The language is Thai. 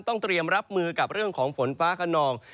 ต้องเตรียมรับมือกับเรื่องของฝนฟ้าขนอง